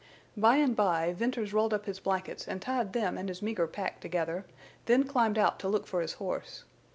By and by Venters rolled up his blankets and tied them and his meager pack together, then climbed out to look for his horse.